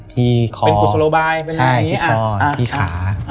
ที่ขอที่ขา